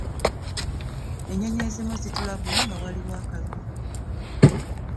Ennyonyi ezimu zitulabula nga waliwo akabi.